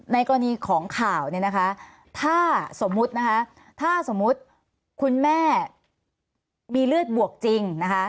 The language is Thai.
ในกรณีของข่าวเนี่ยนะคะถ้าสมมุตินะคะถ้าสมมุติคุณแม่มีเลือดบวกจริงนะคะ